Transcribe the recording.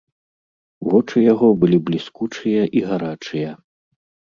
Вочы яго былі бліскучыя і гарачыя.